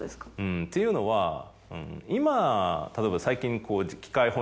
っていうのは今例えば最近こう。